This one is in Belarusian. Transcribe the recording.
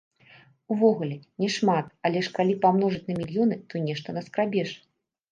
Увогуле, не шмат, але ж калі памножыць на мільёны, то нешта наскрабеш.